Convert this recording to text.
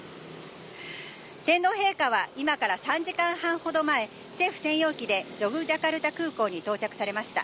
天皇陛下は今から３時間半ほど前、政府専用機で、ジョグジャカルタの空港に到着されました。